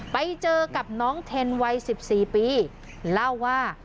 ไปเจอกับน้องเทนวัย๑๔ปีเล่าว่า